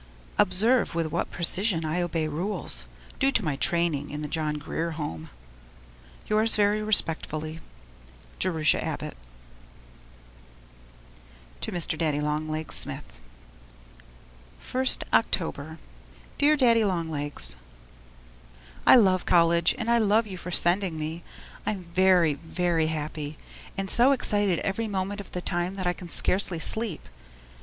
Observe with what precision I obey rules due to my training in the John Grier Home. Yours most respectfully, Jerusha Abbott To Mr. Daddy Long Legs Smith 1st October Dear Daddy Long Legs, I love college and I love you for sending me I'm very, very happy, and so excited every moment of the time that I can scarcely sleep.